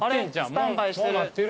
スタンバイしてる。